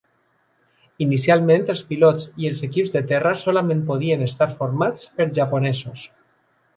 Inicialment els pilots i els equips de terra solament podien estar formats per japonesos.